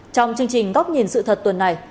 trong chương trình góc nhìn sự thật tuần này